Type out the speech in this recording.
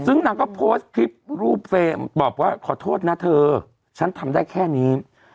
ซึ่งนางก็โพสต์คลิปรูปเฟรมบอกว่าขอโทษนะเธอฉันทำได้แค่นี้